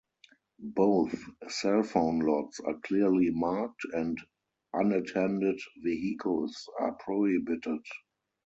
Both cell phone lots are clearly marked and unattended vehicles are prohibited.